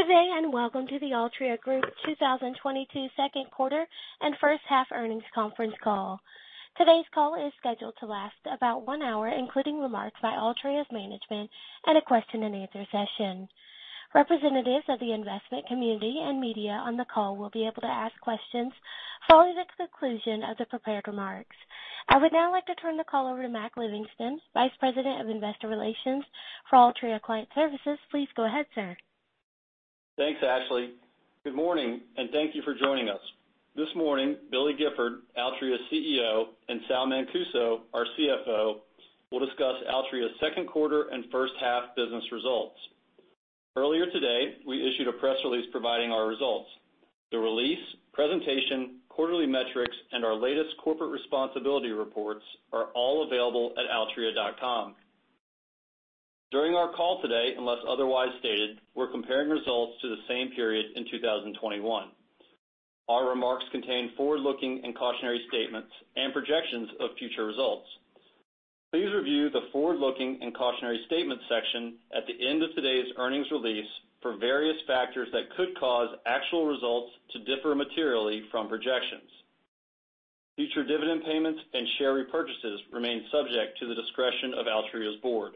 Good day, and welcome to the Altria Group 2022 Second Quarter and First Half Earnings Conference Call. Today's call is scheduled to last about 1 hour, including remarks by Altria's management and a question-and-answer session. Representatives of the investment community and media on the call will be able to ask questions following the conclusion of the prepared remarks. I would now like to turn the call over to Mac Livingston, Vice President of Investor Relations for Altria Client Services. Please go ahead, sir. Thanks, Ashley. Good morning and thank you for joining us. This morning, Billy Gifford, Altria's CEO, and Sal Mancuso, our CFO, will discuss Altria's Second Quarter and First Half Business Results. Earlier today, we issued a press release providing our results. The release, presentation, quarterly metrics, and our latest corporate responsibility reports are all available at altria.com. During our call today, unless otherwise stated, we're comparing results to the same period in 2021. Our remarks contain forward-looking and cautionary statements and projections of future results. Please review the Forward-looking and Cautionary Statements section at the end of today's earnings release for various factors that could cause actual results to differ materially from projections. Future dividend payments and share repurchases remain subject to the discretion of Altria's board.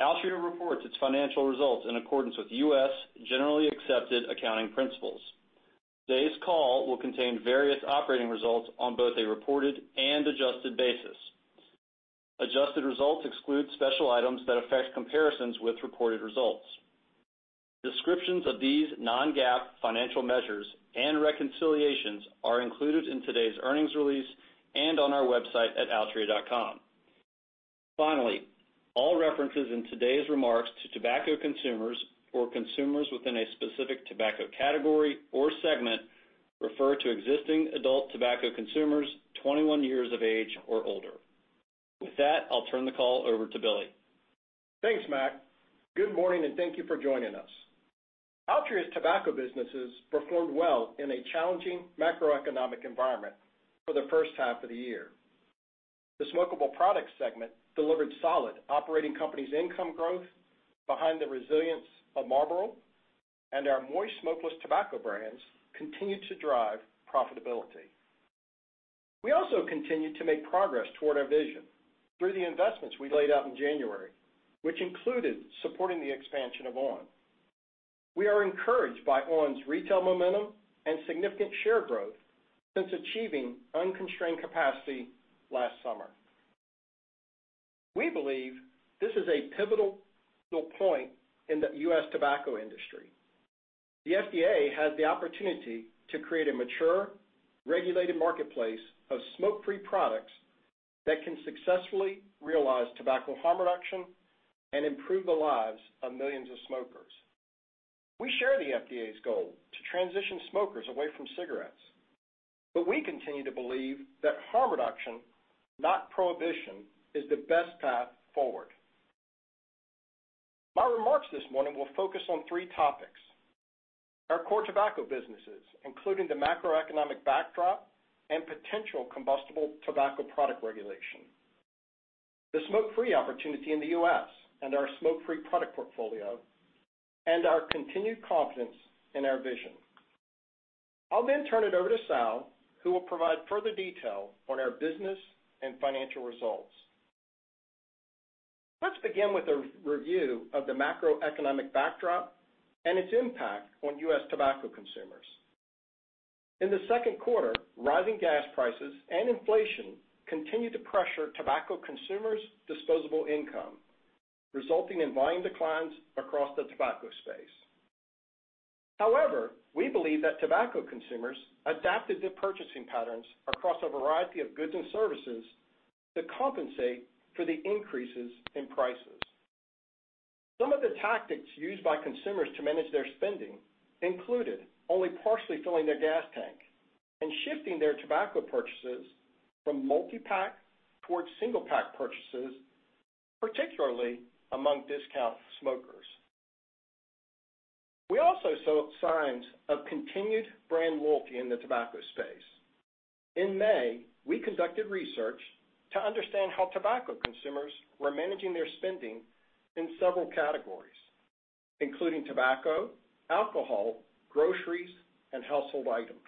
Altria reports its financial results in accordance with U.S. generally accepted accounting principles. Today's call will contain various operating results on both a reported and adjusted basis. Adjusted results exclude special items that affect comparisons with reported results. Descriptions of these non-GAAP financial measures and reconciliations are included in today's earnings release and on our website at altria.com. Finally, all references in today's remarks to tobacco consumers or consumers within a specific tobacco category or segment refer to existing adult tobacco consumers 21 years of age or older. With that, I'll turn the call over to Billy. Thanks, Mac. Good morning, and thank you for joining us. Altria's tobacco businesses performed well in a challenging macroeconomic environment for the first half of the year. The smokable product segment delivered solid operating companies' income growth behind the resilience of Marlboro, and our moist smokeless tobacco brands continued to drive profitability. We also continued to make progress toward our vision through the investments we laid out in January, which included supporting the expansion of On!. We are encouraged by On!'s retail momentum and significant share growth since achieving unconstrained capacity last summer. We believe this is a pivotal point in the U.S. tobacco industry. The FDA has the opportunity to create a mature, regulated marketplace of smoke-free products that can successfully realize tobacco harm reduction and improve the lives of millions of smokers. We share the FDA's goal to transition smokers away from cigarettes, but we continue to believe that harm reduction, not prohibition, is the best path forward. My remarks this morning will focus on three topics, our core tobacco businesses, including the macroeconomic backdrop and potential combustible tobacco product regulation, the smoke-free opportunity in the U.S. and our smoke-free product portfolio, and our continued confidence in our vision. I'll then turn it over to Sal, who will provide further detail on our business and financial results. Let's begin with a review of the macroeconomic backdrop and its impact on U.S. tobacco consumers. In the second quarter, rising gas prices and inflation continued to pressure tobacco consumers' disposable income, resulting in volume declines across the tobacco space. However, we believe that tobacco consumers adapted their purchasing patterns across a variety of goods and services to compensate for the increases in prices. Some of the tactics used by consumers to manage their spending included only partially filling their gas tank and shifting their tobacco purchases from multi-pack towards single pack purchases, particularly among discount smokers. We also saw signs of continued brand loyalty in the tobacco space. In May, we conducted research to understand how tobacco consumers were managing their spending in several categories, including tobacco, alcohol, groceries, and household items.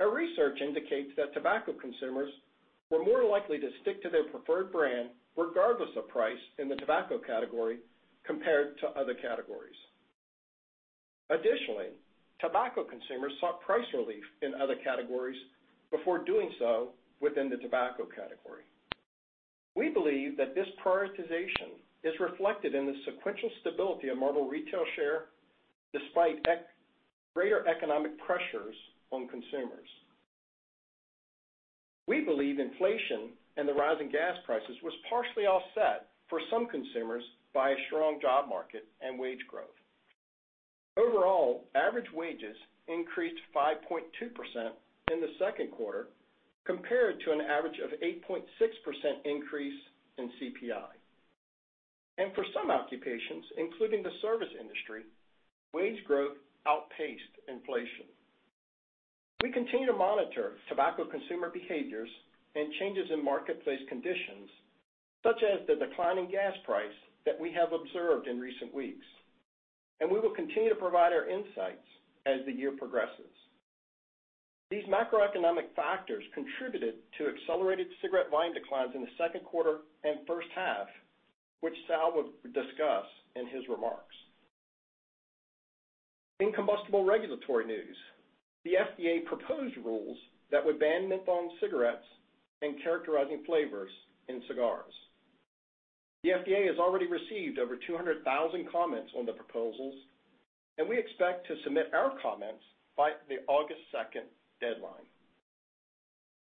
Our research indicates that tobacco consumers were more likely to stick to their preferred brand regardless of price in the tobacco category compared to other categories. Additionally, tobacco consumers sought price relief in other categories before doing so within the tobacco category. We believe that this prioritization is reflected in the sequential stability of Marlboro retail share despite greater economic pressures on consumers. We believe inflation and the rising gas prices was partially offset for some consumers by a strong job market and wage growth. Overall, average wages increased 5.2% in the second quarter compared to an average of 8.6% increase in CPI. For some occupations, including the service industry, wage growth outpaced inflation. We continue to monitor tobacco consumer behaviors and changes in marketplace conditions, such as the declining gas price that we have observed in recent weeks. We will continue to provide our insights as the year progresses. These macroeconomic factors contributed to accelerated cigarette volume declines in the second quarter and first half, which Sal will discuss in his remarks. In combustible regulatory news, the FDA proposed rules that would ban menthol in cigarettes and characterizing flavors in cigars. The FDA has already received over 200,000 comments on the proposals, and we expect to submit our comments by the August 2 deadline.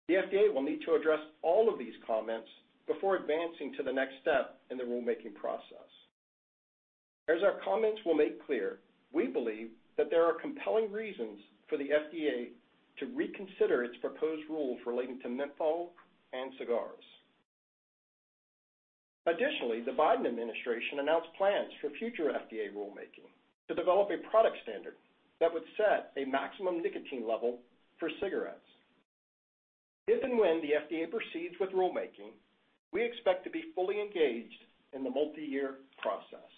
The FDA will need to address all of these comments before advancing to the next step in the rulemaking process. As our comments will make clear, we believe that there are compelling reasons for the FDA to reconsider its proposed rules relating to menthol and cigars. Additionally, the Biden administration announced plans for future FDA rulemaking to develop a product standard that would set a maximum nicotine level for cigarettes. If and when the FDA proceeds with rulemaking, we expect to be fully engaged in the multi-year process.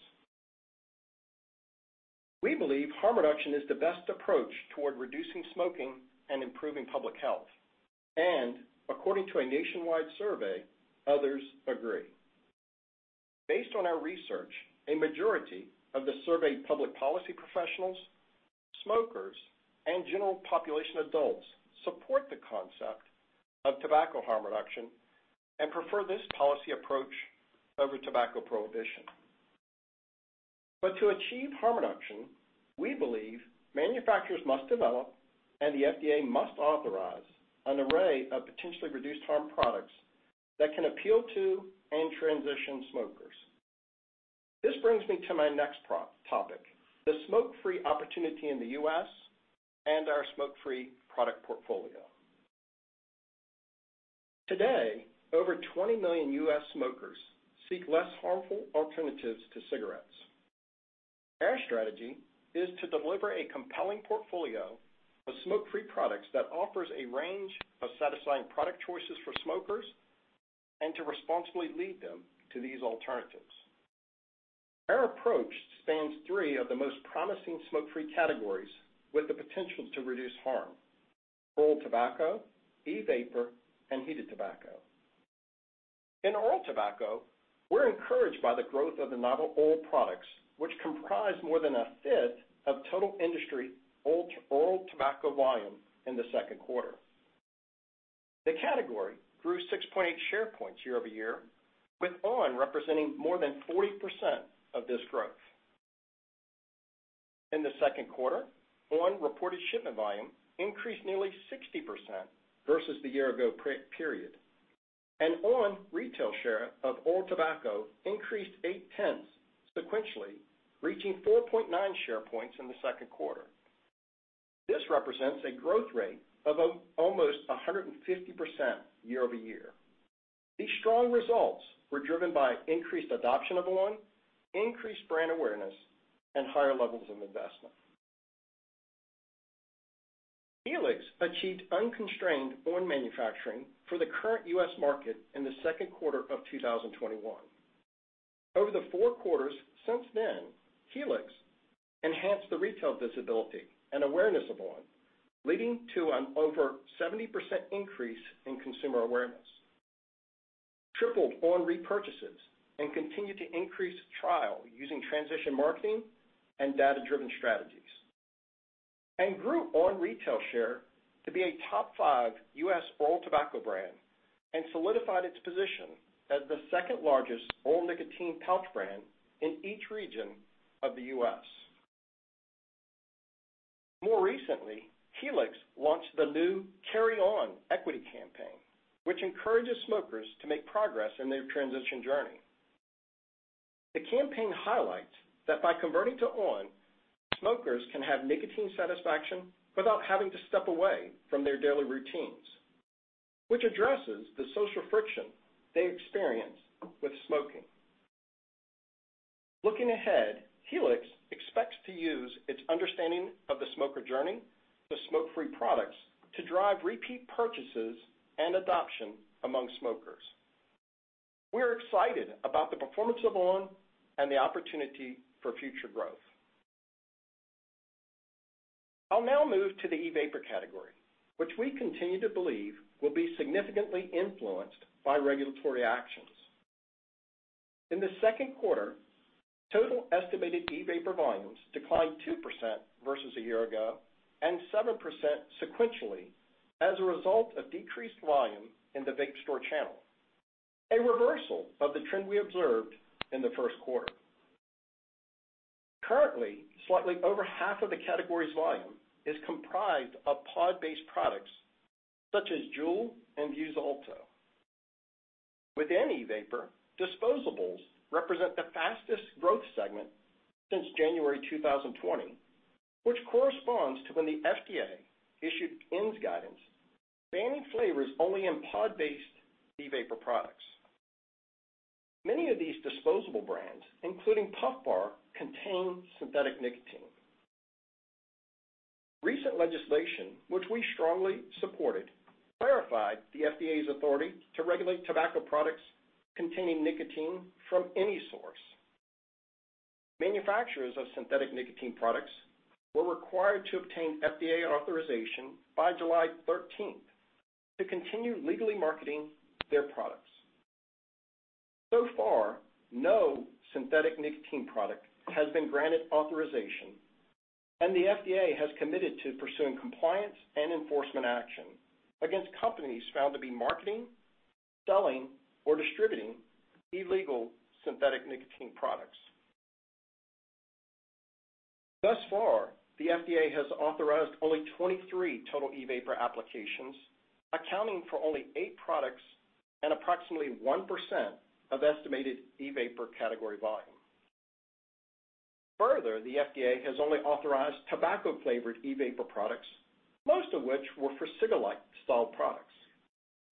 We believe harm reduction is the best approach toward reducing smoking and improving public health. According to a nationwide survey, others agree. Based on our research, a majority of the surveyed public policy professionals, smokers, and general population adults support the concept of tobacco harm reduction and prefer this policy approach over tobacco prohibition. To achieve harm reduction, we believe manufacturers must develop, and the FDA must authorize an array of potentially reduced harm products that can appeal to and transition smokers. This brings me to my next point, the smoke-free opportunity in the U.S. and our smoke-free product portfolio. Today, over 20 million U.S. smokers seek less harmful alternatives to cigarettes. Our strategy is to deliver a compelling portfolio of smoke-free products that offers a range of satisfying product choices for smokers and to responsibly lead them to these alternatives. Our approach spans three of the most promising smoke-free categories with the potential to reduce harm, oral tobacco, e-vapor, and heated tobacco. In oral tobacco, we're encouraged by the growth of the novel oral products, which comprise more than a fifth of total industry oral tobacco volume in the second quarter. The category grew 6.8 share points year-over-year, with On! representing more than 40% of this growth. In the second quarter, On! reported shipment volume increased nearly 60% versus the year ago period. On! retail share of oral tobacco increased 0.8 sequentially, reaching 4.9 share points in the second quarter. This represents a growth rate of almost 150% year-over-year. These strong results were driven by increased adoption of On!, increased brand awareness, and higher levels of investment. Helix achieved unconstrained On! manufacturing for the current U.S. market in the second quarter of 2021. Over the four quarters since then, Helix enhanced the retail visibility and awareness of On!, leading to an over 70% increase in consumer awareness, tripled On! repurchases, and continued to increase trial using transition marketing and data-driven strategies, and grew On! retail share to be a top five U.S. oral tobacco brand, and solidified its position as the second largest oral nicotine pouch brand in each region of the U.S. More recently, Helix launched the new Carry On equity campaign, which encourages smokers to make progress in their transition journey. The campaign highlights that by converting to On!, smokers can have nicotine satisfaction without having to step away from their daily routines, which addresses the social friction they experience with smoking. Looking ahead, Helix expects to use its understanding of the smoker journey to smoke-free products to drive repeat purchases and adoption among smokers. We're excited about the performance of On! and the opportunity for future growth. I'll now move to the e-vapor category, which we continue to believe will be significantly influenced by regulatory actions. In the second quarter, total estimated e-vapor volumes declined 2% versus a year ago and 7% sequentially as a result of decreased volume in the vape store channel, a reversal of the trend we observed in the first quarter. Currently, slightly over half of the category's volume is comprised of pod-based products such as JUUL and Vuse Alto. Within e-vapor, disposables represent the fastest growth segment since January 2020, which corresponds to when the FDA issued ENDS guidance, banning flavors only in pod-based e-vapor products. Many of these disposable brands, including Puff Bar, contain synthetic nicotine. Recent legislation, which we strongly supported, clarified the FDA's authority to regulate tobacco products containing nicotine from any source. Manufacturers of synthetic nicotine products were required to obtain FDA authorization by July 13th to continue legally marketing their products. So far, no synthetic nicotine product has been granted authorization, and the FDA has committed to pursuing compliance and enforcement action against companies found to be marketing, selling, or distributing illegal synthetic nicotine products. Thus far, the FDA has authorized only 23 total e-vapor applications, accounting for only 8 products and approximately 1% of estimated e-vapor category volume. Further, the FDA has only authorized tobacco-flavored e-vapor products, most of which were for cigarette-style products,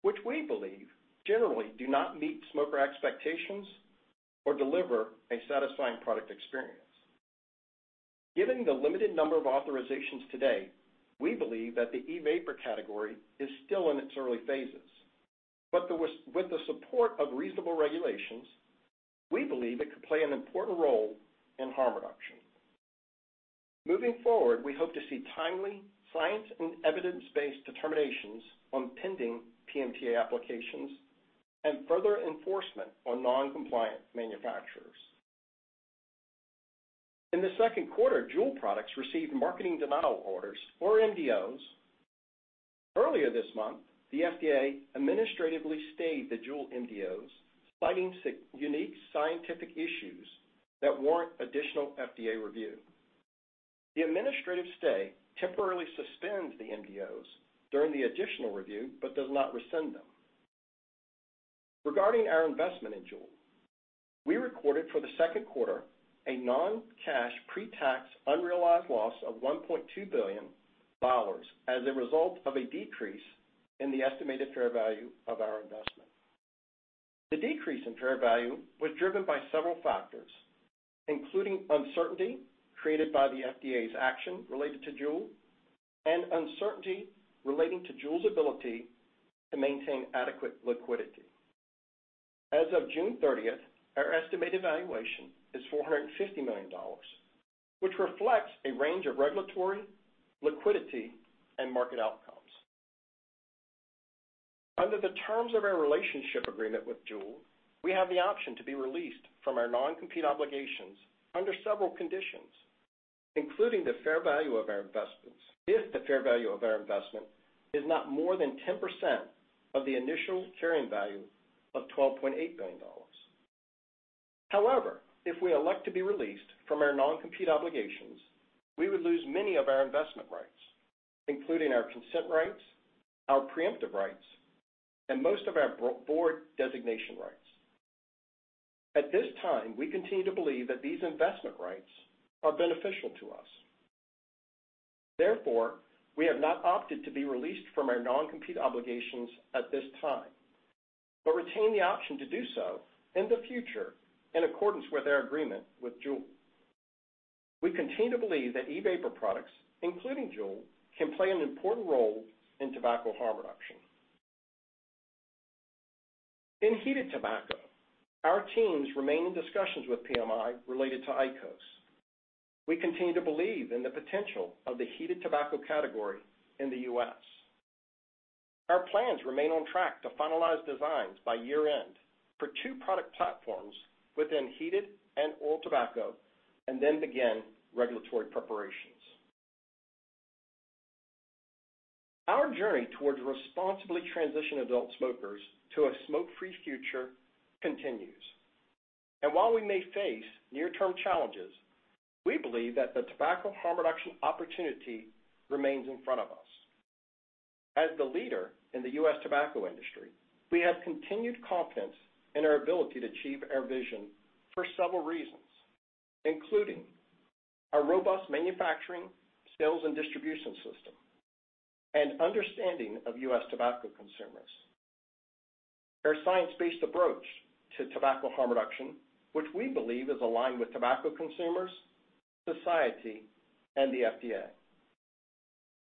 which we believe generally do not meet smoker expectations or deliver a satisfying product experience. Given the limited number of authorizations today, we believe that the e-vapor category is still in its early phases. With the support of reasonable regulations, we believe it could play an important role in harm reduction. Moving forward, we hope to see timely science and evidence-based determinations on pending PMTA applications and further enforcement on non-compliant manufacturers. In the second quarter, JUUL products received marketing denial orders or MDOs. Earlier this month, the FDA administratively stayed the JUUL MDOs, citing unique scientific issues that warrant additional FDA review. The administrative stay temporarily suspends the MDOs during the additional review but does not rescind them. Regarding our investment in JUUL, we recorded for the second quarter a non-cash pre-tax unrealized loss of $1.2 billion as a result of a decrease in the estimated fair value of our investment. The decrease in fair value was driven by several factors, including uncertainty created by the FDA's action related to JUUL and uncertainty relating to JUUL's ability to maintain adequate liquidity. As of June thirtieth, our estimated valuation is $450 million, which reflects a range of regulatory, liquidity, and market outcomes. Under the terms of our relationship agreement with JUUL, we have the option to be released from our non-compete obligations under several conditions, including the fair value of our investments, if the fair value of our investment is not more than 10% of the initial carrying value of $12.8 billion. However, if we elect to be released from our non-compete obligations, we would lose many of our investment rights, including our consent rights, our preemptive rights, and most of our board designation rights. At this time, we continue to believe that these investment rights are beneficial to us. Therefore, we have not opted to be released from our non-compete obligations at this time, but retain the option to do so in the future in accordance with our agreement with JUUL. We continue to believe that e-vapor products, including JUUL, can play an important role in tobacco harm reduction. In heated tobacco, our teams remain in discussions with PMI related to IQOS. We continue to believe in the potential of the heated tobacco category in the U.S. Our plans remain on track to finalize designs by year-end for two product platforms within heated and oral tobacco and then begin regulatory preparations. Our journey towards responsibly transitioning adult smokers to a smoke-free future continues. While we may face near-term challenges, we believe that the tobacco harm reduction opportunity remains in front of us. As the leader in the U.S. tobacco industry, we have continued confidence in our ability to achieve our vision for several reasons, including our robust manufacturing, sales, and distribution system and understanding of U.S. tobacco consumers. Our science-based approach to tobacco harm reduction, which we believe is aligned with tobacco consumers, society, and the FDA.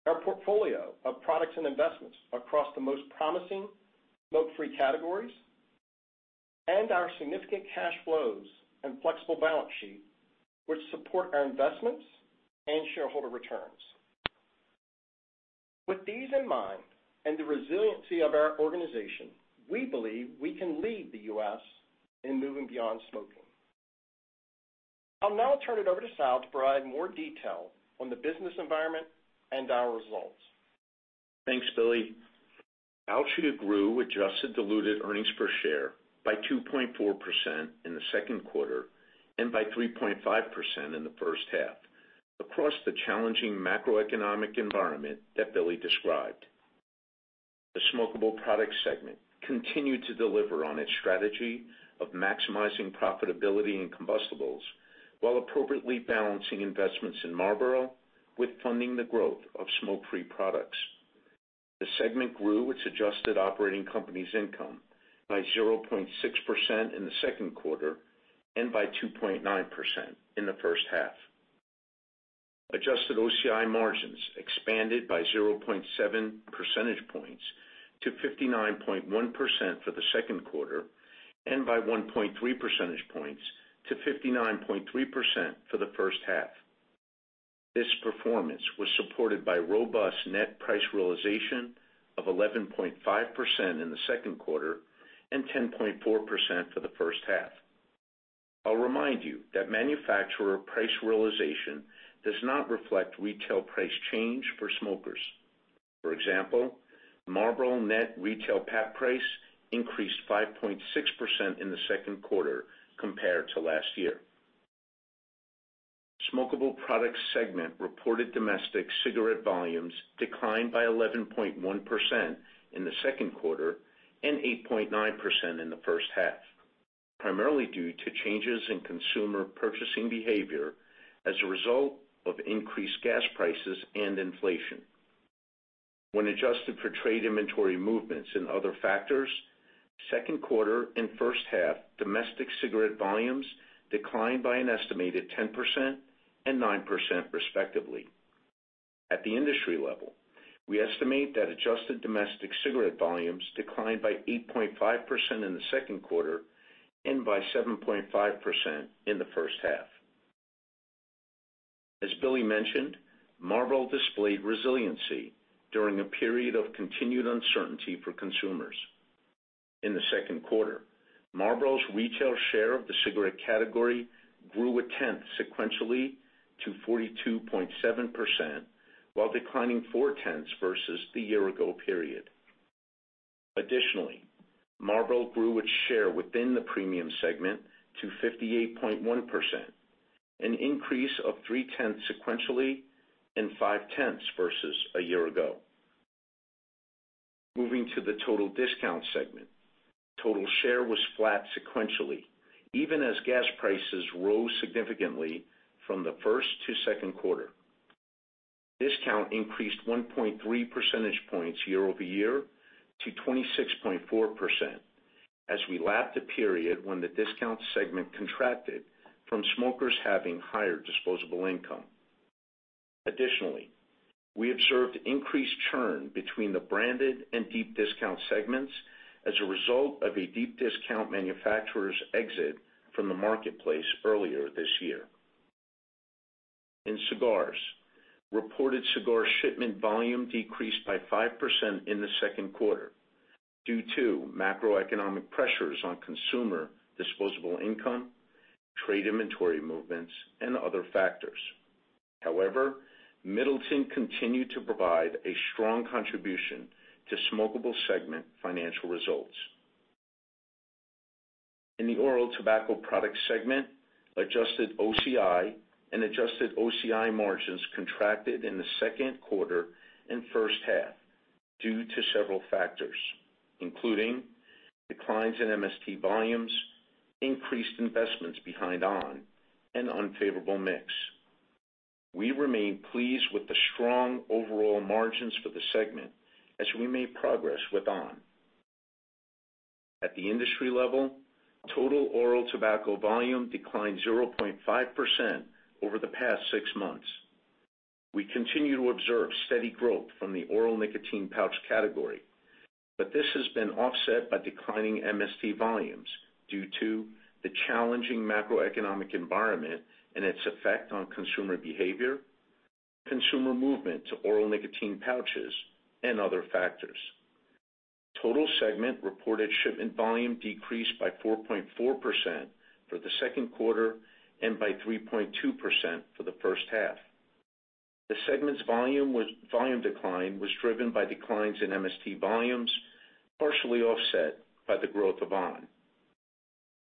Our portfolio of products and investments across the most promising smoke-free categories, and our significant cash flows and flexible balance sheet which support our investments and shareholder returns. With these in mind and the resiliency of our organization, we believe we can lead the U.S. in moving beyond smoking. I'll now turn it over to Sal to provide more detail on the business environment and our results. Thanks, Billy. Altria grew adjusted diluted earnings per share by 2.4% in the second quarter and by 3.5% in the first half across the challenging macroeconomic environment that Billy described. The smokable product segment continued to deliver on its strategy of maximizing profitability and combustibles while appropriately balancing investments in Marlboro with funding the growth of smoke-free products. The segment grew its adjusted operating companies income by 0.6% in the second quarter and by 2.9% in the first half. Adjusted OCI margins expanded by 0.7 percentage points to 59.1% for the second quarter and by 1.3 percentage points to 59.3% for the first half. This performance was supported by robust net price realization of 11.5% in the second quarter and 10.4% for the first half. I'll remind you that manufacturer price realization does not reflect retail price change for smokers. For example, Marlboro net retail pack price increased 5.6% in the second quarter compared to last year. Smokable products segment reported domestic cigarette volumes declined by 11.1% in the second quarter and 8.9% in the first half, primarily due to changes in consumer purchasing behavior as a result of increased gas prices and inflation. When adjusted for trade inventory movements and other factors, second quarter and first-half domestic cigarette volumes declined by an estimated 10% and 9% respectively. At the industry level, we estimate that adjusted domestic cigarette volumes declined by 8.5% in the second quarter and by 7.5% in the first half. As Billy mentioned, Marlboro displayed resiliency during a period of continued uncertainty for consumers. In the second quarter, Marlboro's retail share of the cigarette category grew 0.1 sequentially to 42.7%, while declining 0.4 versus the year ago period. Additionally, Marlboro grew its share within the premium segment to 58.1%, an increase of 0.3 sequentially and 0.5 versus a year ago. Moving to the total discount segment. Total share was flat sequentially, even as gas prices rose significantly from the first to second quarter. Discount increased 1.3 percentage points year-over-year to 26.4% as we lapped a period when the discount segment contracted from smokers having higher disposable income. Additionally, we observed increased churn between the branded and deep discount segments as a result of a deep discount manufacturer's exit from the marketplace earlier this year. In cigars, reported cigar shipment volume decreased by 5% in the second quarter due to macroeconomic pressures on consumer disposable income, trade inventory movements, and other factors. However, Middleton continued to provide a strong contribution to smokable segment financial results. In the oral tobacco product segment, adjusted OCI and adjusted OCI margins contracted in the second quarter and first half due to several factors, including declines in MST volumes, increased investments behind On! and unfavorable mix. We remain pleased with the strong overall margins for the segment as we made progress with On! At the industry level, total oral tobacco volume declined 0.5% over the past six months. We continue to observe steady growth from the oral nicotine pouch category, but this has been offset by declining MST volumes due to the challenging macroeconomic environment and its effect on consumer behavior, consumer movement to oral nicotine pouches and other factors. Total segment reported shipment volume decreased by 4.4% for the second quarter and by 3.2% for the first half. The segment's volume decline was driven by declines in MST volumes, partially offset by the growth of On!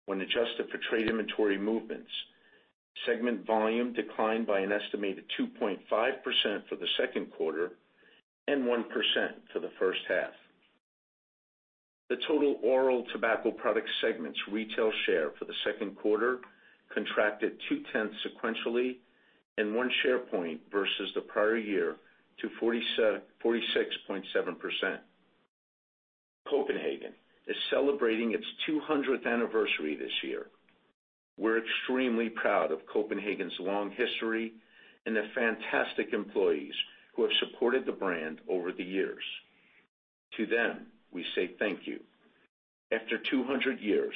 When adjusted for trade inventory movements, segment volume declined by an estimated 2.5% for the second quarter and 1% for the first half. The total oral tobacco product segment's retail share for the second quarter contracted 0.2 sequentially and 1 share point versus the prior year to 46.7%. Copenhagen is celebrating its 200th anniversary this year. We're extremely proud of Copenhagen's long history and the fantastic employees who have supported the brand over the years. To them, we say thank you. After 200 years,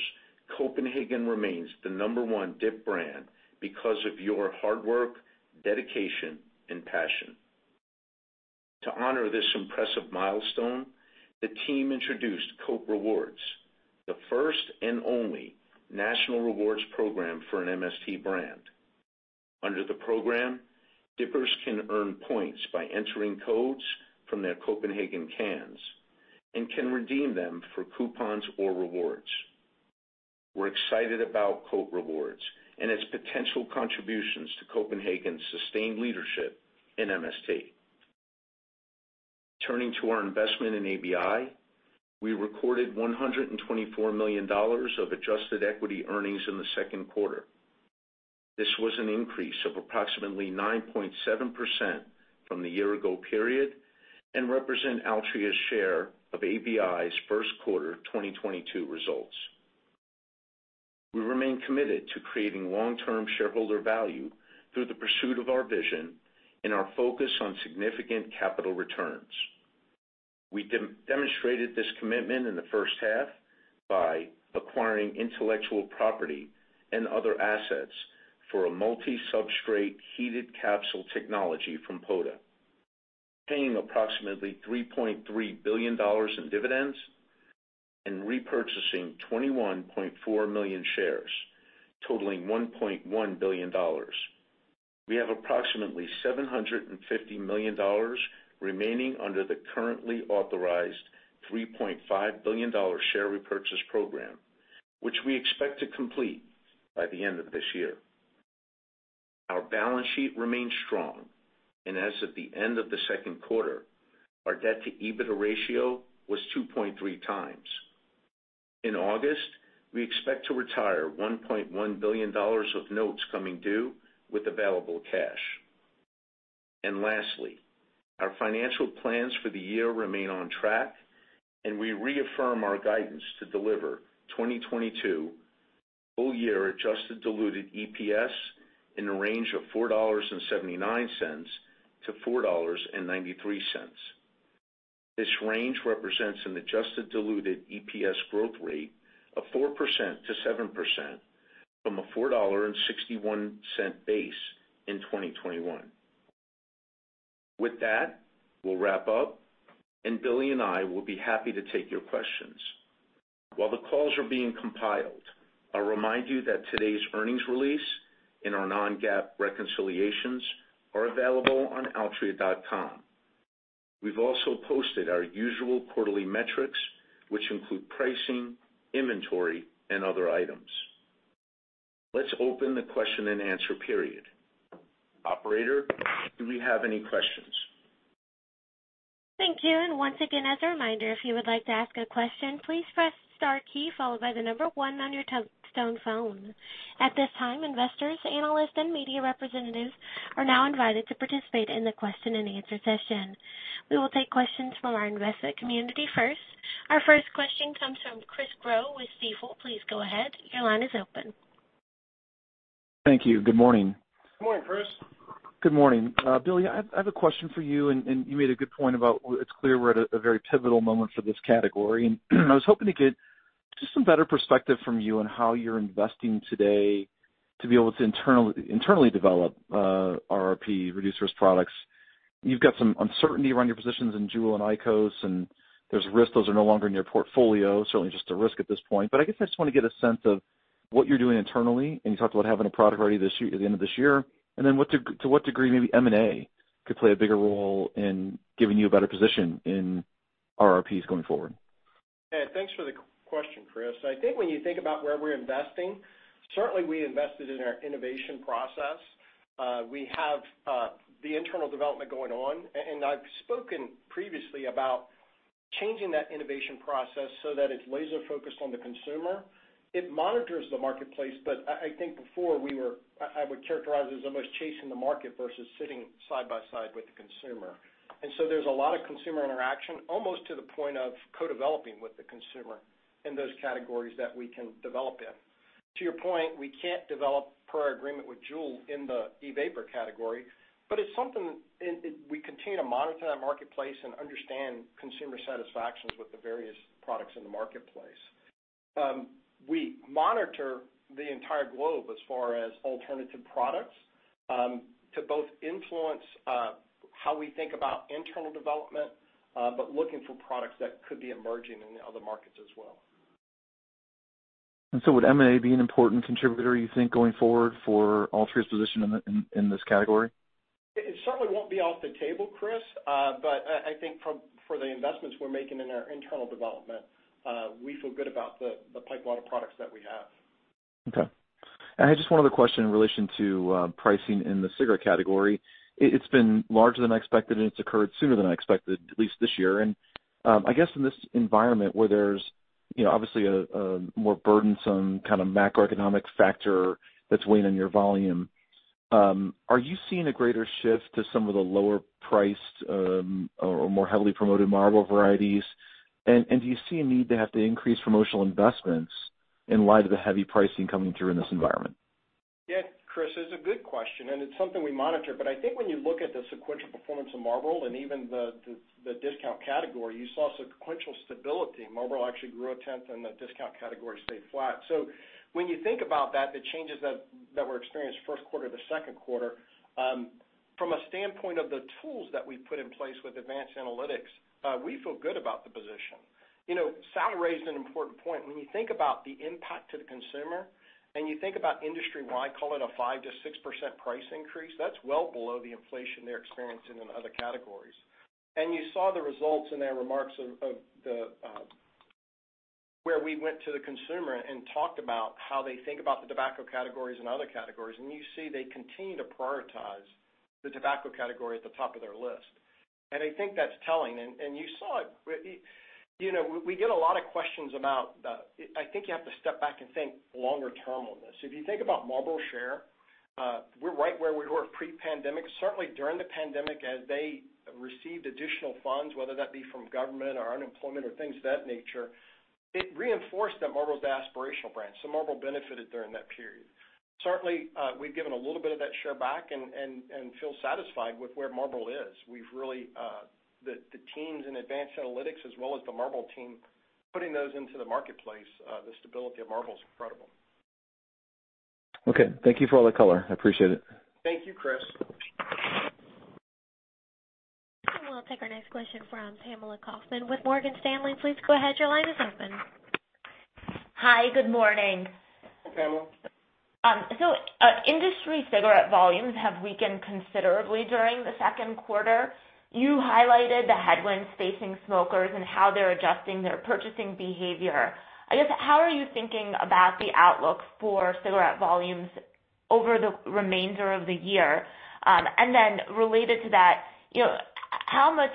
Copenhagen remains the number one dip brand because of your hard work, dedication and passion. To honor this impressive milestone, the team introduced Cope Rewards, the first and only national rewards program for an MST brand. Under the program, dippers can earn points by entering codes from their Copenhagen cans and can redeem them for coupons or rewards. We're excited about Cope Rewards and its potential contributions to Copenhagen's sustained leadership in MST. Turning to our investment in ABI. We recorded $124 million of adjusted equity earnings in the second quarter. This was an increase of approximately 9.7% from the year ago period and represent Altria's share of ABI's first quarter 2022 results. We remain committed to creating long-term shareholder value through the pursuit of our vision and our focus on significant capital returns. We demonstrated this commitment in the first half by acquiring intellectual property and other assets for a multi-substrate heated capsule technology from Poda, paying approximately $3.3 billion in dividends and repurchasing 21.4 million shares, totaling $1.1 billion. We have approximately $750 million remaining under the currently authorized $3.5 billion share repurchase program, which we expect to complete by the end of this year. Our balance sheet remains strong, and as of the end of the second quarter, our debt to EBITDA ratio was 2.3 times. In August, we expect to retire $1.1 billion of notes coming due with available cash. Lastly, our financial plans for the year remain on track, and we reaffirm our guidance to deliver 2022 full year adjusted diluted EPS in a range of $4.79-$4.93. This range represents an adjusted diluted EPS growth rate of 4%-7% from a $4.61 base in 2021. With that, we'll wrap up, and Billy and I will be happy to take your questions. While the calls are being compiled, I'll remind you that today's earnings release and our non-GAAP reconciliations are available on altria.com. We've also posted our usual quarterly metrics, which include pricing, inventory, and other items. Let's open the question-and-answer period. Operator, do we have any questions? Thank you. Once again, as a reminder, if you would like to ask a question, please press star key followed by the number one on your touch tone phone. At this time, investors, analysts, and media representatives are now invited to participate in the question-and-answer session. We will take questions from our investment community first. Our first question comes from Christopher Growe with Stifel. Please go ahead. Your line is open. Thank you. Good morning. Good morning, Chris. Good morning. Billy, I have a question for you and you made a good point about that it's clear we're at a very pivotal moment for this category. I was hoping to get just some better perspective from you on how you're investing today to be able to internally develop RRP, reduced-risk products. You've got some uncertainty around your positions in JUUL and IQOS, and there's risk those are no longer in your portfolio, certainly just a risk at this point. I guess I just want to get a sense of what you're doing internally, and you talked about having a product ready this year, at the end of this year, and then to what degree maybe M&A could play a bigger role in giving you a better position in RRPs going forward. Yeah, thanks for the question, Chris. I think when you think about where we're investing, certainly we invested in our innovation process. We have the internal development going on, and I've spoken previously about changing that innovation process so that it's laser-focused on the consumer. It monitors the marketplace, but I think before we were, I would characterize it as almost chasing the market versus sitting side by side with the consumer. There's a lot of consumer interaction, almost to the point of co-developing with the consumer in those categories that we can develop in. To your point, we can't develop per our agreement with JUUL in the e-vapor category, but it's something, and we continue to monitor that marketplace and understand consumer satisfactions with the various products in the marketplace. We monitor the entire globe as far as alternative products to both influence how we think about internal development, but looking for products that could be emerging in other markets as well. Would M&A be an important contributor, you think, going forward for Altria's position in this category? It certainly won't be off the table, Chris. I think for the investments we're making in our internal development, we feel good about the pipeline of products that we have. Okay. I just had one other question in relation to pricing in the cigarette category. It's been larger than I expected, and it's occurred sooner than I expected, at least this year. I guess in this environment where there's, you know, obviously a more burdensome kind of macroeconomic factor that's weighing on your volume, are you seeing a greater shift to some of the lower priced or more heavily promoted Marlboro varieties? Do you see a need to have to increase promotional investments in light of the heavy pricing coming through in this environment? Yeah, Chris, it's a good question, and it's something we monitor. I think when you look at the sequential performance of Marlboro and even the discount category, you saw sequential stability. Marlboro actually grew 0.1, and the discount category stayed flat. When you think about that, the changes that were experienced first quarter to second quarter, from a standpoint of the tools that we've put in place with advanced analytics, we feel good about the position. You know, Sal raised an important point. When you think about the impact to the consumer and you think about industry-wide, call it a 5%-6% price increase, that's well below the inflation they're experiencing in other categories. You saw the results in their remarks where we went to the consumer and talked about how they think about the tobacco categories and other categories, and you see they continue to prioritize the tobacco category at the top of their list. I think that's telling. You saw it, you know, we get a lot of questions about the. I think you have to step back and think longer-term on this. If you think about Marlboro share, we're right where we were pre-pandemic. Certainly, during the pandemic as they received additional funds, whether that be from government or unemployment or things of that nature, it reinforced that Marlboro is aspirational brand. Marlboro benefited during that period. Certainly, we've given a little bit of that share back and feel satisfied with where Marlboro is. We've really, the teams in advanced analytics as well as the Marlboro team, putting those into the marketplace, the stability of Marlboro is incredible. Okay. Thank you for all the color. I appreciate it. Thank you, Chris. We'll take our next question from Pamela Kaufman with Morgan Stanley. Please go ahead. Your line is open. Hi. Good morning. Hi, Pamela. Industry cigarette volumes have weakened considerably during the second quarter. You highlighted the headwinds facing smokers and how they're adjusting their purchasing behavior. I guess, how are you thinking about the outlook for cigarette volumes over the remainder of the year? Related to that, you know, how much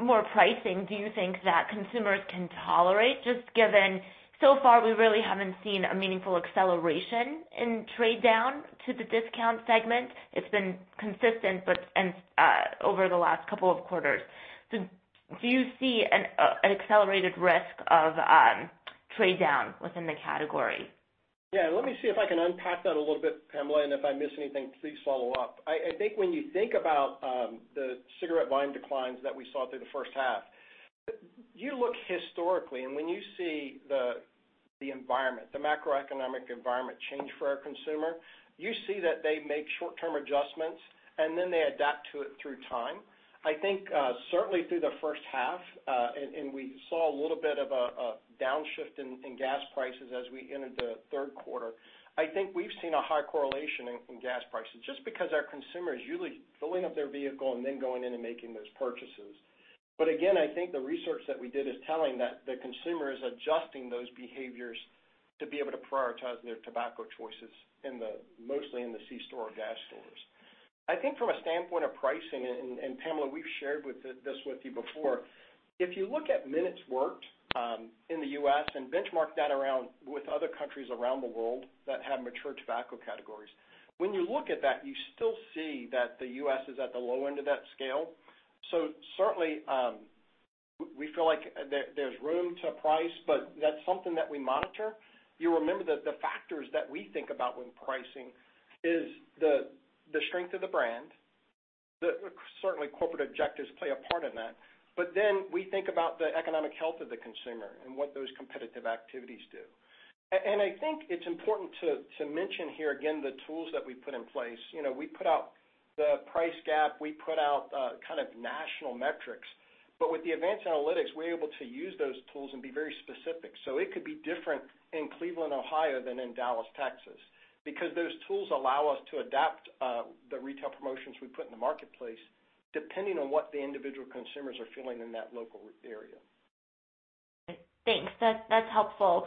more pricing do you think that consumers can tolerate, just given so far, we really haven't seen a meaningful acceleration in trade down to the discount segment. It's been consistent over the last couple of quarters. Do you see an accelerated risk of trade down within the category? Yeah. Let me see if I can unpack that a little bit, Pamela, and if I miss anything, please follow up. I think when you think about the cigarette volume declines that we saw through the first half, you look historically, and when you see the environment, the macroeconomic environment change for our consumer, you see that they make short-term adjustments, and then they adapt to it through time. I think certainly through the first half, and we saw a little bit of a downshift in gas prices as we entered the third quarter. I think we've seen a high correlation in gas prices just because our consumers usually filling up their vehicle and then going in and making those purchases. Again, I think the research that we did is telling that the consumer is adjusting those behaviors to be able to prioritize their tobacco choices in the, mostly in the c-store or gas stores. I think from a standpoint of pricing, and Pamela, we've shared this with you before. If you look at minutes worked in the U.S. and benchmark that around with other countries around the world that have mature tobacco categories, when you look at that, you still see that the U.S. is at the low end of that scale. Certainly, we feel like there's room to price, but that's something that we monitor. You remember that the factors that we think about when pricing is the strength of the brand. Certainly corporate objectives play a part in that. We think about the economic health of the consumer and what those competitive activities do. I think it's important to mention here again, the tools that we put in place. You know, we put out the price gap, we put out, kind of national metrics. With the advanced analytics, we're able to use those tools and be very specific. It could be different in Cleveland, Ohio, than in Dallas, Texas, because those tools allow us to adapt, the retail promotions we put in the marketplace depending on what the individual consumers are feeling in that local area. Thanks. That's helpful.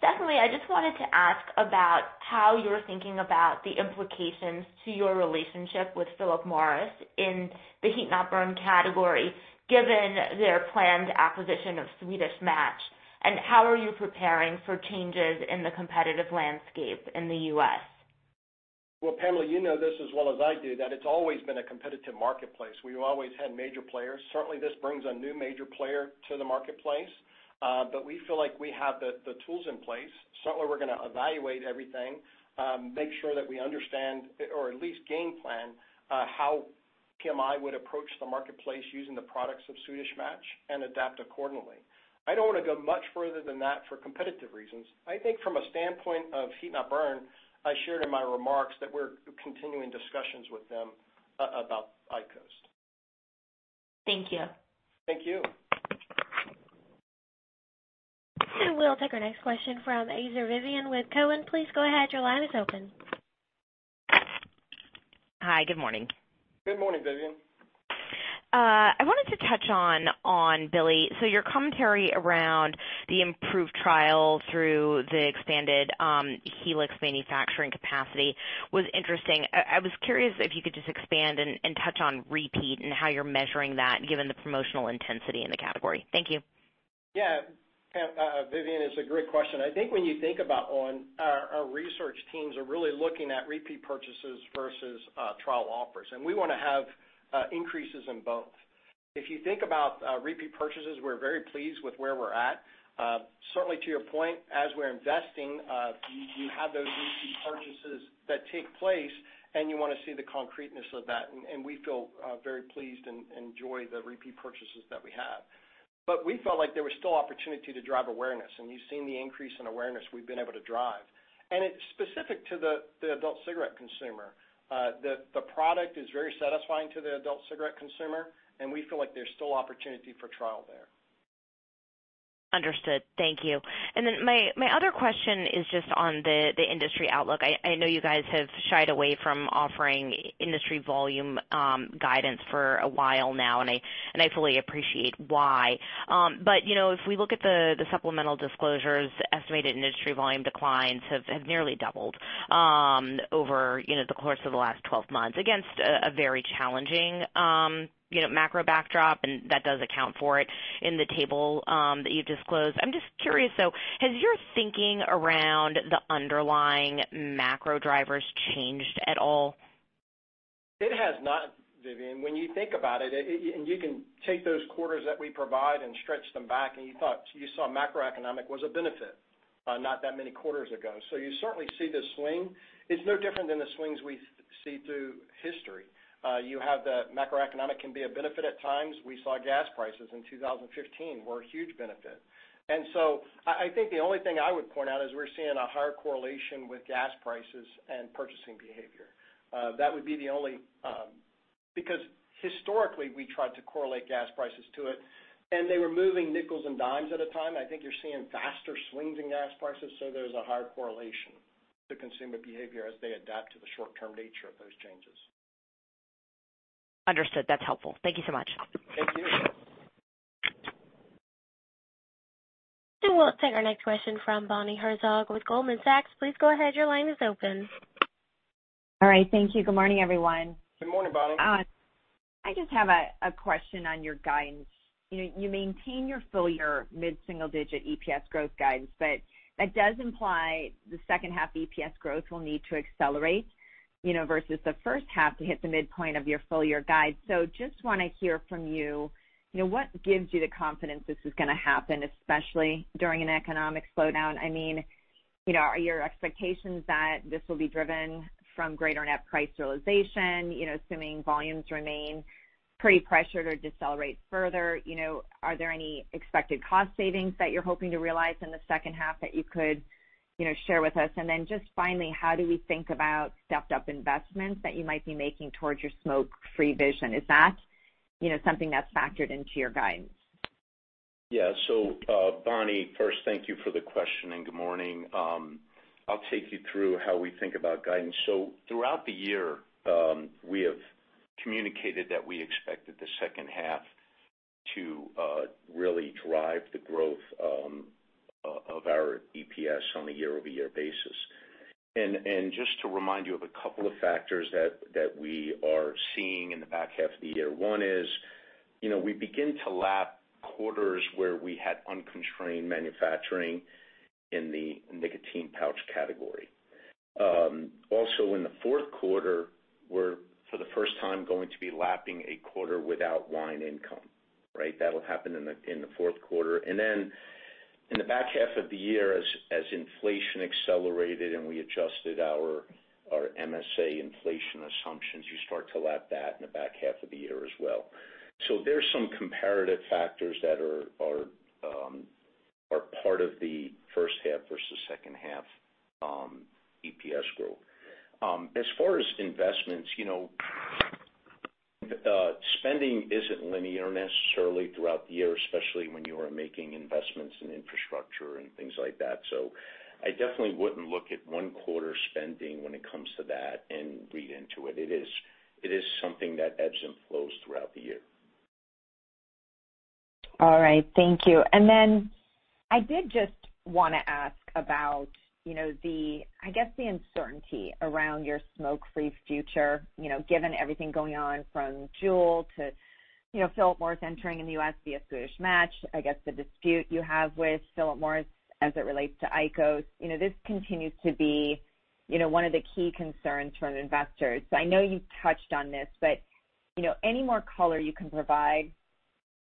Definitely I just wanted to ask about how you're thinking about the implications to your relationship with Philip Morris in the heat-not-burn category, given their planned acquisition of Swedish Match, and how are you preparing for changes in the competitive landscape in the U.S.? Well, Pamela, you know this as well as I do, that it's always been a competitive marketplace. We've always had major players. Certainly, this brings a new major player to the marketplace, but we feel like we have the tools in place. Certainly, we're gonna evaluate everything, make sure that we understand or at least game plan how PMI would approach the marketplace using the products of Swedish Match and adapt accordingly. I don't wanna go much further than that for competitive reasons. I think from a standpoint of heat not burn, I shared in my remarks that we're continuing discussions with them about IQOS. Thank you. Thank you. We'll take our next question from Vivien Azer with Cowen. Please go ahead. Your line is open. Hi. Good morning. Good morning, Vivien. I wanted to touch on Billy. Your commentary around the improved trial through the expanded Helix manufacturing capacity was interesting. I was curious if you could just expand and touch on repeat and how you're measuring that given the promotional intensity in the category. Thank you. Yeah. Vivien, it's a great question. I think when you think about On! our research teams are really looking at repeat purchases versus trial offers, and we wanna have increases in both. If you think about repeat purchases, we're very pleased with where we're at. Certainly to your point, as we're investing, you have those repeat purchases that take place, and you wanna see the concreteness of that. We feel very pleased and enjoy the repeat purchases that we have. We felt like there was still opportunity to drive awareness, and you've seen the increase in awareness we've been able to drive. It's specific to the adult cigarette consumer. The product is very satisfying to the adult cigarette consumer, and we feel like there's still opportunity for trial there. Understood. Thank you. My other question is just on the industry outlook. I know you guys have shied away from offering industry volume guidance for a while now, and I fully appreciate why. You know, if we look at the supplemental disclosures, the estimated industry volume declines have nearly doubled over, you know, the course of the last 12 months against a very challenging, you know, macro backdrop, and that does account for it in the table that you've disclosed. I'm just curious, though, has your thinking around the underlying macro drivers changed at all? It has not, Vivien. When you think about it, and you can take those quarters that we provide and stretch them back and you thought you saw macroeconomic was a benefit, not that many quarters ago. You certainly see the swing. It's no different than the swings we see through history. You have the macroeconomic can be a benefit at times. We saw gas prices in 2015 were a huge benefit. I think the only thing I would point out is we're seeing a higher correlation with gas prices and purchasing behavior. That would be the only, because historically, we tried to correlate gas prices to it, and they were moving nickels and dimes at a time. I think you're seeing faster swings in gas prices, so there's a higher correlation to consumer behavior as they adapt to the short term nature of those changes. Understood. That's helpful. Thank you so much. Thank you. We'll take our next question from Bonnie Herzog with Goldman Sachs. Please go ahead. Your line is open. All right. Thank you. Good morning, everyone. Good morning, Bonnie. I just have a question on your guidance. You maintain your full year mid-single digit EPS growth guidance, but that does imply the second half EPS growth will need to accelerate, you know, versus the first half to hit the midpoint of your full year guide. Just wanna hear from you know, what gives you the confidence this is gonna happen, especially during an economic slowdown? I mean, you know, are your expectations that this will be driven from greater net price realization, you know, assuming volumes remain pretty pressured or decelerate further? You know, are there any expected cost savings that you're hoping to realize in the second half that you could, you know, share with us? Then just finally, how do we think about stepped up investments that you might be making towards your smoke-free vision? Is that, you know, something that's factored into your guidance? Yeah. Bonnie, first, thank you for the question and good morning. I'll take you through how we think about guidance. Throughout the year, we have communicated that we expected the second half to really drive the growth of our EPS on a year-over-year basis. Just to remind you of a couple of factors that we are seeing in the back half of the year. One is, you know, we begin to lap quarters where we had unconstrained manufacturing in the nicotine pouch category. Also in the fourth quarter, we're for the first time going to be lapping a quarter without wine income, right? That'll happen in the fourth quarter. In the back half of the year, as inflation accelerated and we adjusted our MSA inflation assumptions, you start to lap that in the back half of the year as well. There's some comparative factors that are part of the first half versus second half EPS growth. As far as investments, you know, spending isn't linear necessarily throughout the year, especially when you are making investments in infrastructure and things like that. I definitely wouldn't look at one quarter spending when it comes to that and read into it. It is something that ebbs and flows throughout the year. All right. Thank you. Then I did just wanna ask about, you know, the, I guess, the uncertainty around your smoke-free future, you know, given everything going on from JUUL to, you know, Philip Morris entering in the U.S. via Swedish Match, I guess the dispute you have with Philip Morris as it relates to IQOS. You know, this continues to be, you know, one of the key concerns from investors. I know you've touched on this, but, you know, any more color you can provide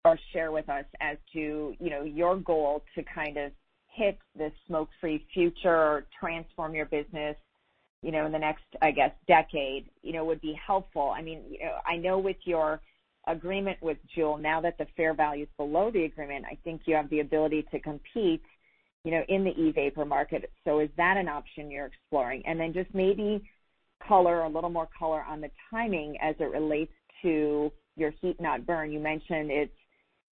or share with us as to, you know, your goal to kind of hit this smoke-free future or transform your business, you know, in the next, I guess, decade, you know, would be helpful. I mean, you know, I know with your agreement with JUUL, now that the fair value is below the agreement, I think you have the ability to compete, you know, in the e-vapor market. Is that an option you're exploring? Then just maybe color, a little more color on the timing as it relates to your heat-not-burn. You mentioned it's,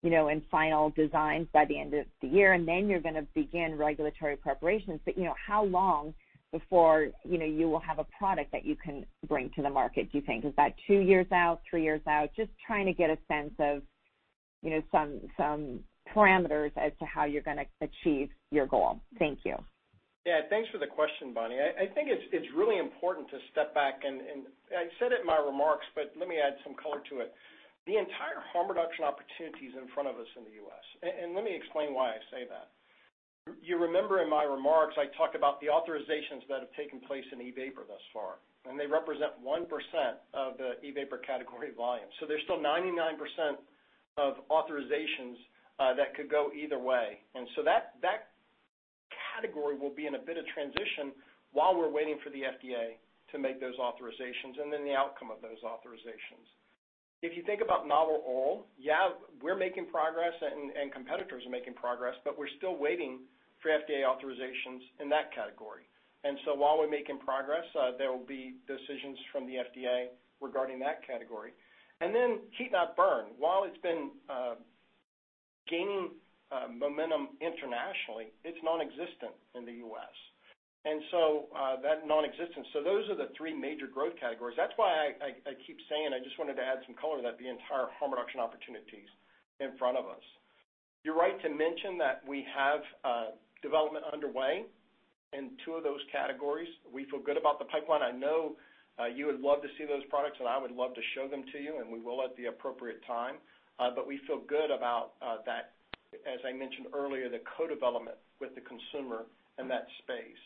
you know, in final designs by the end of the year, and then you're gonna begin regulatory preparations. You know, how long before, you know, you will have a product that you can bring to the market, do you think? Is that 2 years out, 3 years out? Just trying to get a sense of, you know, some parameters as to how you're gonna achieve your goal. Thank you. Yeah. Thanks for the question, Bonnie. I think it's really important to step back and I said it in my remarks, but let me add some color to it. The entire harm reduction opportunity is in front of us in the U.S., and let me explain why I say that. You remember in my remarks, I talked about the authorizations that have taken place in e-vapor thus far, and they represent 1% of the e-vapor category volume. There's still 99% of authorizations that could go either way. That category will be in a bit of transition while we're waiting for the FDA to make those authorizations and then the outcome of those authorizations. If you think about novel oral, yeah, we're making progress and competitors are making progress, but we're still waiting for FDA authorizations in that category. While we're making progress, there will be decisions from the FDA regarding that category. Heat-not-burn. While it's been gaining momentum internationally, it's nonexistent in the U.S. Those are the three major growth categories. That's why I keep saying I just wanted to add some color that the entire harm reduction opportunity is in front of us. You're right to mention that we have development underway in two of those categories. We feel good about the pipeline. I know you would love to see those products, and I would love to show them to you, and we will at the appropriate time. But we feel good about that. As I mentioned earlier, the co-development with the consumer in that space.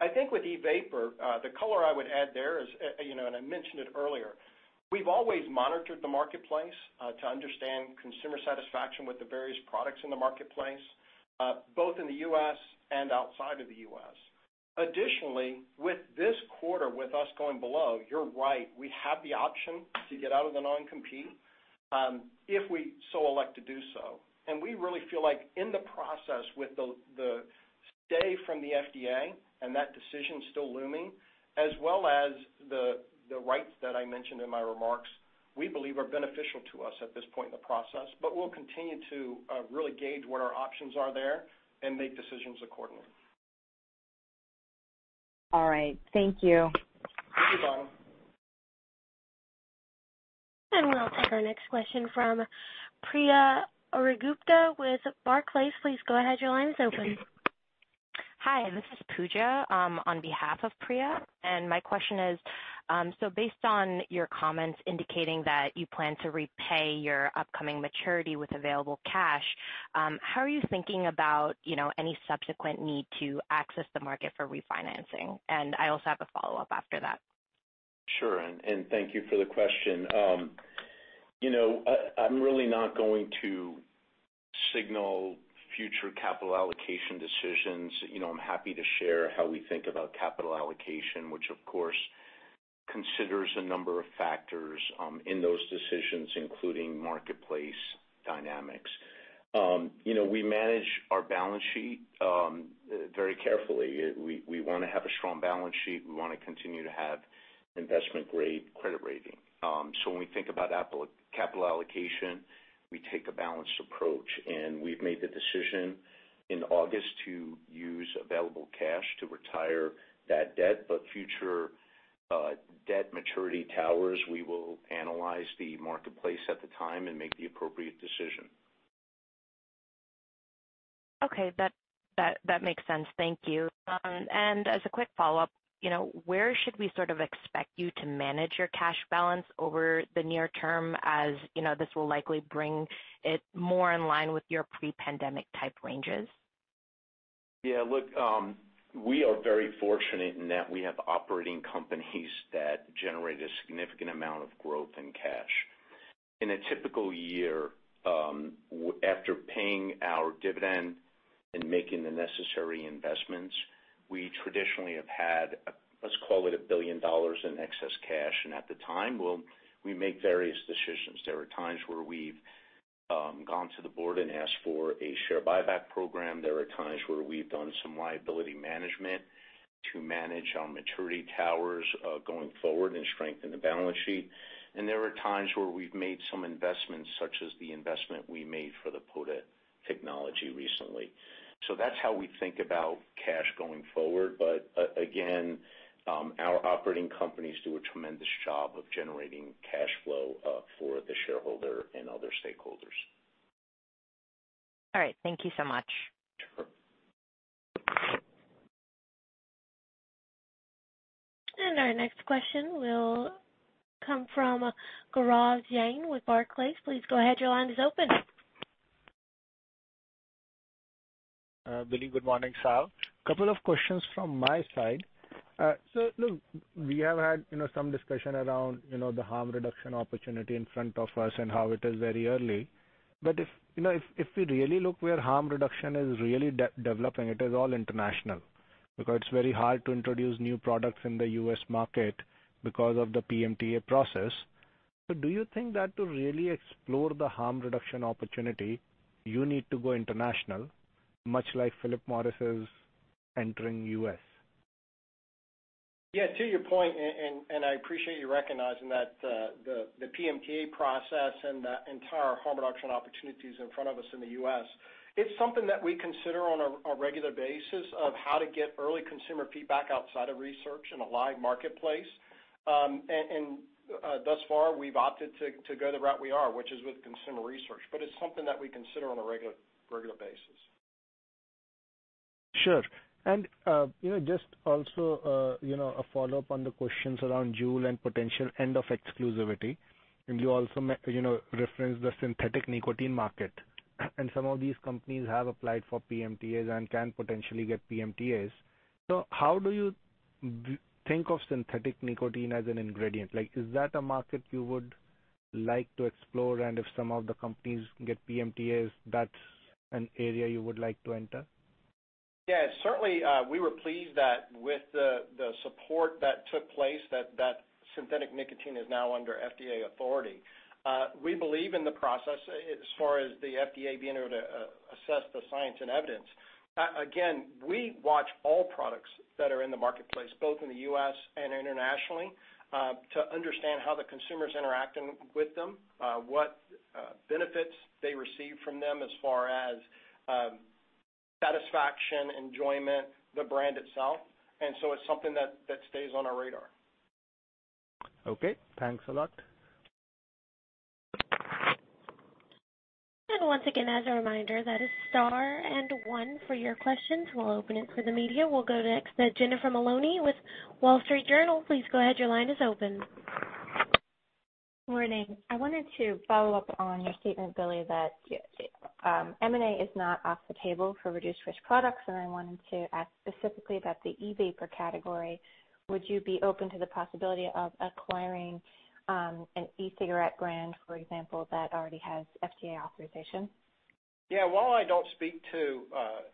I think with e-vapor, the color I would add there is, you know, and I mentioned it earlier, we've always monitored the marketplace, to understand consumer satisfaction with the various products in the marketplace, both in the U.S. and outside of the U.S. Additionally, with this quarter, with us going below, you're right, we have the option to get out of the non-compete, if we so elect to do so. We really feel like in the process with the stay from the FDA and that decision still looming, as well as the rights that I mentioned in my remarks, we believe are beneficial to us at this point in the process. We'll continue to really gauge what our options are there and make decisions accordingly. All right. Thank you. Thank you, Bonnie. We'll take our next question from Priya Ohri-Gupta with Barclays. Please go ahead, your line is open. Hi, this is Puja, on behalf of Priya. My question is, so based on your comments indicating that you plan to repay your upcoming maturity with available cash, how are you thinking about, you know, any subsequent need to access the market for refinancing? I also have a follow-up after that. Sure. Thank you for the question. You know, I'm really not going to signal future capital allocation decisions. You know, I'm happy to share how we think about capital allocation, which of course considers a number of factors in those decisions, including marketplace dynamics. You know, we manage our balance sheet very carefully. We wanna have a strong balance sheet. We wanna continue to have investment-grade credit rating. When we think about capital allocation, we take a balanced approach, and we've made the decision in August to use available cash to retire that debt. Future debt maturity towers, we will analyze the marketplace at the time and make the appropriate decision. Okay. That makes sense. Thank you. As a quick follow-up, you know, where should we sort of expect you to manage your cash balance over the near term as, you know, this will likely bring it more in line with your pre-pandemic type ranges? Yeah. Look, we are very fortunate in that we have operating companies that generate a significant amount of growth and cash. In a typical year, after paying our dividend and making the necessary investments, we traditionally have had, let's call it $1 billion in excess cash. At the time, we make various decisions. There are times where we've gone to the board and asked for a share buyback program. There are times where we've done some liability management to manage our maturity towers, going forward and strengthen the balance sheet. There are times where we've made some investments, such as the investment we made for the Poda technology recently. That's how we think about cash going forward. Again, our operating companies do a tremendous job of generating cash flow for the shareholder and other stakeholders. All right. Thank you so much. Sure. Our next question will come from Gaurav Jain with Barclays. Please go ahead, your line is open. Billy, good morning, Sal. Couple of questions from my side. Look, we have had, you know, some discussion around, you know, the harm reduction opportunity in front of us and how it is very early. If, you know, we really look where harm reduction is really developing, it is all international because it's very hard to introduce new products in the U.S. market because of the PMTA process. Do you think that to really explore the harm reduction opportunity, you need to go international, much like Philip Morris is entering U.S.? Yeah. To your point, I appreciate you recognizing that, the PMTA process and the entire harm reduction opportunities in front of us in the U.S., it's something that we consider on a regular basis of how to get early consumer feedback outside of research in a live marketplace. Thus far, we've opted to go the route we are, which is with consumer research. It's something that we consider on a regular basis. Sure. You know, just also you know, a follow-up on the questions around JUUL and potential end of exclusivity. You also you know, referenced the synthetic nicotine market. Some of these companies have applied for PMTAs and can potentially get PMTAs. How do you think of synthetic nicotine as an ingredient? Like, is that a market you would like to explore? If some of the companies get PMTAs, that's an area you would like to enter? Yeah. Certainly, we were pleased with the support that took place that synthetic nicotine is now under FDA authority. We believe in the process as far as the FDA being able to assess the science and evidence. Again, we watch all products that are in the marketplace, both in the U.S. and internationally, to understand how the consumer's interacting with them, what benefits they receive from them as far as satisfaction, enjoyment, the brand itself. It's something that stays on our radar. Okay. Thanks a lot. Once again, as a reminder, that is star and one for your questions. We'll open it for the media. We'll go next to Jennifer Maloney with The Wall Street Journal. Please go ahead, your line is open. Good morning. I wanted to follow up on your statement, Billy, that, M&A is not off the table for reduced-risk products, and I wanted to ask specifically about the e-vapor category. Would you be open to the possibility of acquiring, an e-cigarette brand, for example, that already has FDA authorization? Yeah. While I don't speak to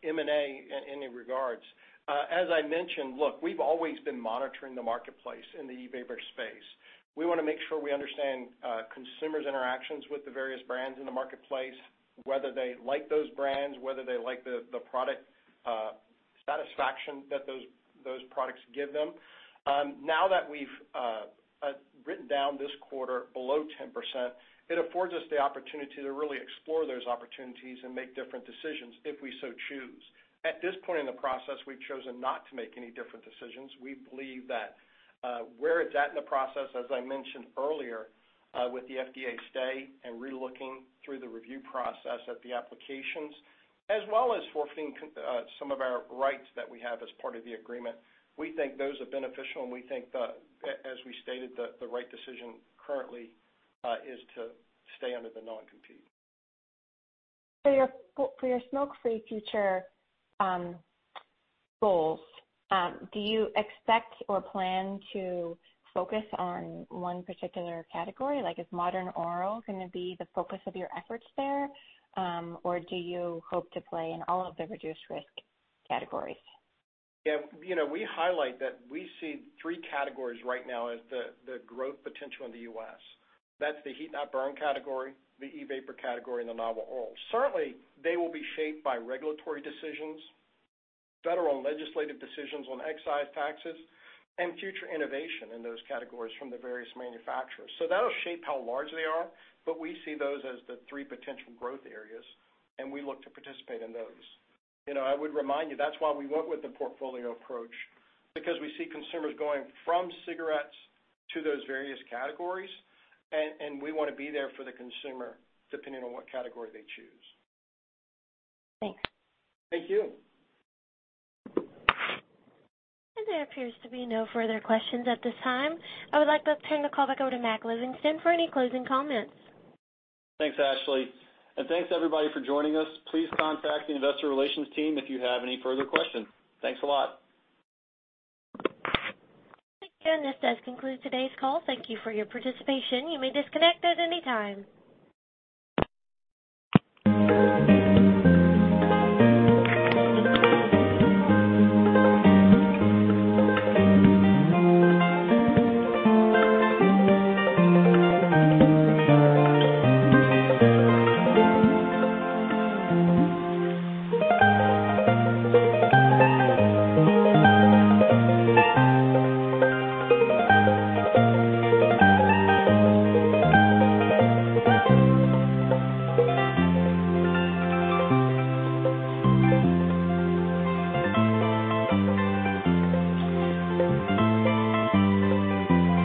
M&A in any regards, as I mentioned, look, we've always been monitoring the marketplace in the e-vapor space. We wanna make sure we understand consumers' interactions with the various brands in the marketplace, whether they like those brands, whether they like the product satisfaction that those products give them. Now that we've written down this quarter below 10%, it affords us the opportunity to really explore those opportunities and make different decisions if we so choose. At this point in the process, we've chosen not to make any different decisions. We believe that, where it's at in the process, as I mentioned earlier, with the FDA stay and relooking through the review process of the applications, as well as forfeiting some of our rights that we have as part of the agreement, we think those are beneficial, and we think as we stated, the right decision currently is to stay under the non-compete. For your smoke-free future goals, do you expect or plan to focus on one particular category? Like, is modern oral gonna be the focus of your efforts there, or do you hope to play in all of the reduced-risk categories? Yeah. You know, we highlight that we see three categories right now as the growth potential in the U.S. That's the heat-not-burn category, the e-vapor category, and the novel oral. Certainly, they will be shaped by regulatory decisions, federal and legislative decisions on excise taxes, and future innovation in those categories from the various manufacturers. So that'll shape how large they are, but we see those as the three potential growth areas, and we look to participate in those. You know, I would remind you, that's why we went with the portfolio approach, because we see consumers going from cigarettes to those various categories and we wanna be there for the consumer, depending on what category they choose. Thanks. Thank you. There appears to be no further questions at this time. I would like to turn the call back over to Mac Livingston for any closing comments. Thanks, Ashley. Thanks everybody for joining us. Please contact the investor relations team if you have any further questions. Thanks a lot. Thank you. This does conclude today's call. Thank you for your participation. You may disconnect at any time.